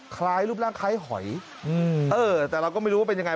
คล้ายรูปร่างคล้ายหอยแต่เราก็ไม่รู้ว่าเป็นยังไง